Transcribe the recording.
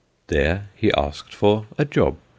There he asked for "a job."